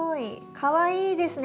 かわいいですね。